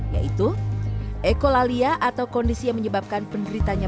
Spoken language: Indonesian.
yaitu ekolalia atau kondisi yang menyebabkan penderitanya